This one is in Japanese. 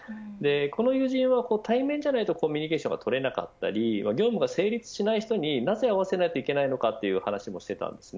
この友人は対面じゃないとコミュニケーションが取れなかったり業務が成立しない人になぜ合わせないといけないのかという話もしていました。